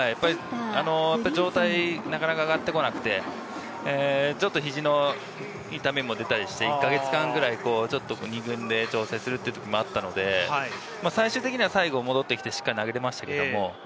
状態がなかなか上がってこなくて、ちょっと肘の痛みも出たりして、１か月間くらい２軍で調整するという時もあったので、最終的には最後戻ってきて、しっかり投げれましたけど。